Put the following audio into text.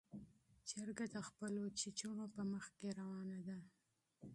چرګه د خپلو بچیو په مخ کې روانه ده.